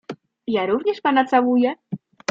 "Ja również pana całuję..."